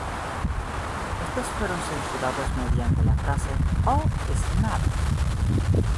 Estos fueron censurados mediante la frase "Oh Snap!